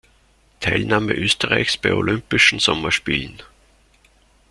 Teilnahme Österreichs bei Olympischen Sommerspielen.